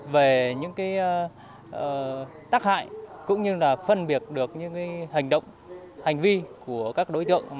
về những tác hại cũng như là phân biệt được những hành động hành vi của các đối tượng